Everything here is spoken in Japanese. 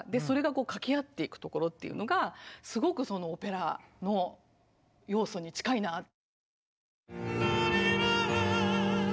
それが掛け合っていくところっていうのがすごくそのオペラの要素に近いな。